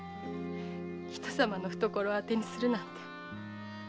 人様の懐をあてにするなんて。